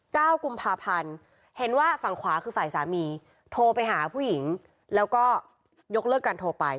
เก้ากุมภาพันธ์เห็นว่าฝั่งขวาคือฝ่ายสามีโทรไปหาผู้หญิงแล้วก็ยกเลิกการโทรไป